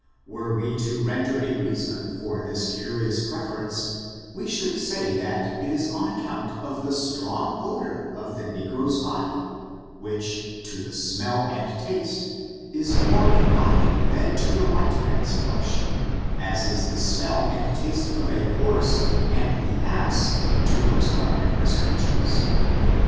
Were we to ren ''; I ^0>^^i^^^^^^*^ FORTUNES) OF THB NEGRO RACE. 229 I I der a reason for this curious preference, we should say that it is on account of the strong odor of the ne gro's body, which, to the smell and taste, is more in viting than the white man's flesh, as is the smell and taste of the horse and the ass to those carnivorous creatures.